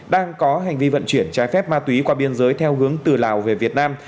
đang có hành vi vận chuyển trái phép ma túy qua biên giới theo hướng từ lào về việt nam